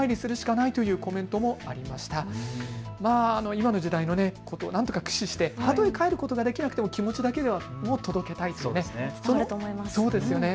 今の時代、何とか駆使してたとえ帰ることができなくても気持ちだけは届けたいということですよね。